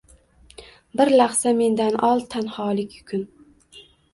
Bir lahza mendan ol tanholik yukin.